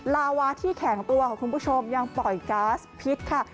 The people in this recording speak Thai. ลาวาที่แข็งตัวค่ะคุณผู้ชมยังปล่อยก๊าซพิษค่ะ